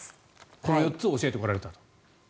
この４つを教えてこられたと。